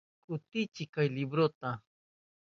Kutichiy kay libruta.